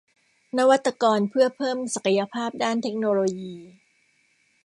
นวัตกรเพื่อเพิ่มศักยภาพด้านเทคโนโลยี